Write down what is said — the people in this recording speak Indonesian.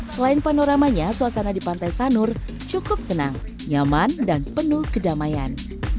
selain panoramanya suasana di pantai sanur cukup tenang nyaman dan penuh kedamaian